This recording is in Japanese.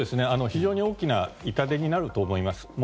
非常に大きな痛手になると思います。